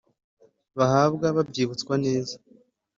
bahabwa babyibutswa neza.